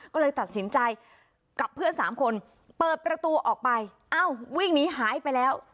ก็เลยตัดสินใจกับเพื่อนสามคนเปิดประตูออกไปเอ้าวิ่งหนีหายไปแล้ว